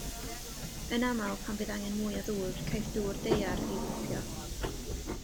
Yn aml, pan fydd angen mwy o ddŵr, caiff dŵr daear ei bwmpio.